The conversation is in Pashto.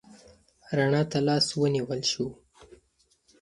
رڼا ته لاس ونیول شو.